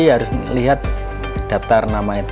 harus lihat daftar nama e siswa